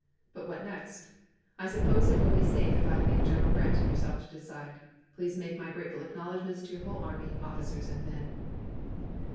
But what next ? I suppose it will be safe if I leave General Grant and yourself to decide. Please make my grateful starman? acknowledgments to your whole army, officers lse*. ' ms. and men."